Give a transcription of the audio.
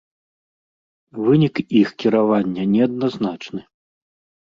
Вынік іх кіравання неадназначны.